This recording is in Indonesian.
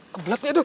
kebelet nih aduh